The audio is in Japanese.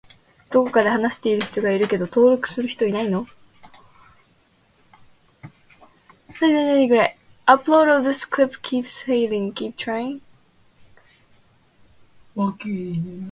どこかで話している人がいるけど登録する人いないの？